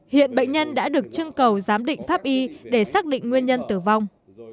hiện bệnh nhân đã được trưng cầu giám định pháp y để xác định nguyên nhân tử vong